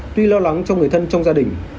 tuy lo lắng cho người thân trong gia đình